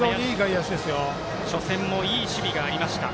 初戦もいい守備がありました。